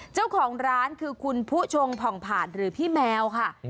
เจ้าของร้านคือคุณผู้ชงผ่องผ่านหรือพี่แมวค่ะ